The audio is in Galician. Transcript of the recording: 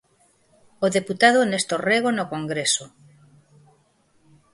O deputado Néstor Rego no Congreso.